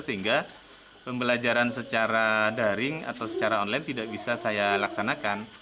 sehingga pembelajaran secara daring atau secara online tidak bisa saya laksanakan